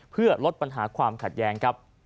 เพื่อรวดปัญหาความขัตยแยง